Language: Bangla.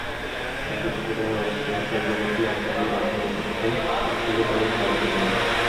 একই সঙ্গে তারা রংবিহীন যন্ত্রপাতি আমদানির বাধ্যবাধকতাও তুলে দেওয়ার দাবি জানিয়েছে।